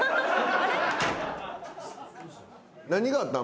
何があったん？